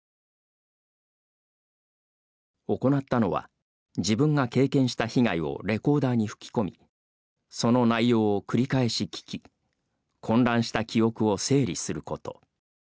行ったのは、自分が経験した被害をレコーダーに吹き込みその内容を繰り返し聞き混乱した記憶を整理すること。